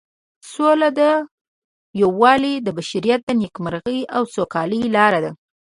سوله او یووالی د بشریت د نیکمرغۍ او سوکالۍ لاره ده.